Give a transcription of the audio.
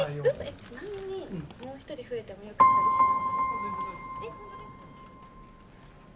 ちなみにもう一人増えてもよかったりします？